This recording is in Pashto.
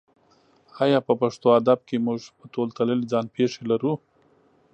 ایا په پښتو ادب کې موږ په تول تللې ځان پېښې لرو؟